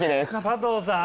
加藤さん。